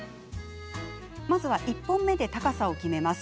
まず１本目で高さを決めます。